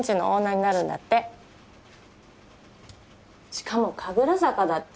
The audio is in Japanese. しかも神楽坂だって。